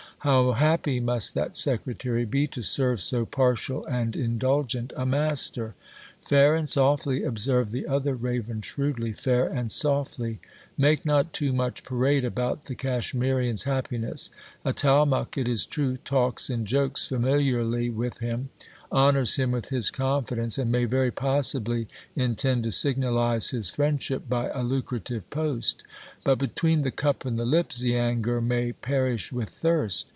How happy must that secretary be, to serve so partial and indulgent a master ! Fair and softly, observed the other raven shrewdly, fair and softly ! Make not too much parade about that Cache mirian's happiness. Atalmuc, it is true, talks and jokes familiarly with him, honours him with his confidence, and may very possibly intend to signalize his friendship by a lucrative post ; but between the cup and the lip Zeangir may perish with thirst.